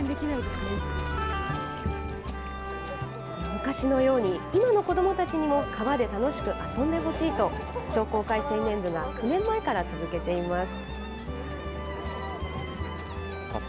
昔のように、今の子どもたちにも川で楽しく遊んでほしいと、商工会青年部が９年前から続けています。